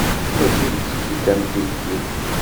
Mačči d kečč i d tamtilt-iw.